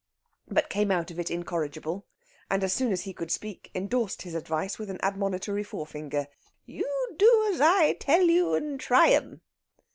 But came out of it incorrigible, and as soon as he could speak endorsed his advice with an admonitory forefinger: "You do as I tell you, and try 'em."